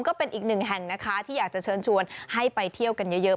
ก็เป็นอีกหนึ่งแห่งนะคะที่อยากจะเชิญชวนให้ไปเที่ยวกันเยอะ